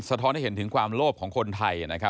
ท้อนให้เห็นถึงความโลภของคนไทย